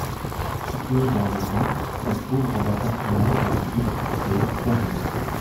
Située dans le Kent, elle couvre la partie nord du district de Thanet.